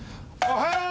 おはよう。